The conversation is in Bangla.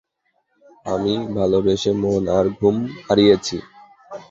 আমি ভালবেসে, মন আর ঘুম হারিয়েছি।